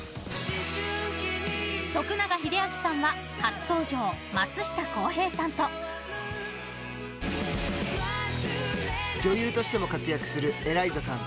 徳永英明さんは初登場、松下洸平さんと。女優としても活躍するＥＬＡＩＺＡさん